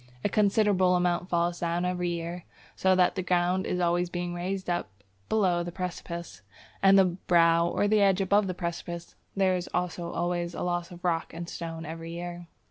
A considerable amount falls down every year, so that the ground is always being raised up below the precipice. At the brow or edge above the precipice, there is also always a loss of rock and stone every year.